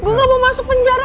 gue gak mau masuk penjara